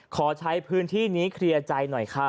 ขอใช้พื้นที่นี้เคลียร์ใจหน่อยค่ะ